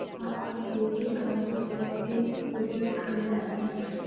এটি আজও ক্লাবটির প্রতীক হয়ে আছে।